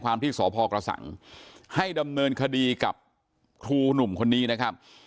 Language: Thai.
ที่สพกระสังให้ดำเนินคดีกับครูหนุ่มคนนี้นะครับ